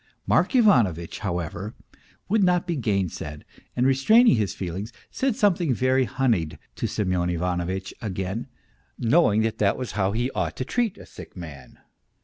Mark T 274 MR. PROHARTCHIN Ivanovitch, however, would not be gainsaid, and restraining his feelings, said something very honeyed to Semyon Ivanovitch again, knowing that that was how he ought to treat a sick man.